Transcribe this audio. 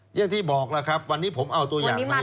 อย่างที่บอกแล้วครับวันนี้ผมเอาตัวอย่างมา